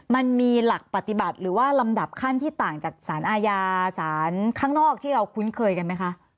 มันมีหลักปฏิบัติหรือว่าลำดับขั้นที่ต่างจากสารอาญาสารข้างนอกที่เราคุ้นเคยกันไหมคะ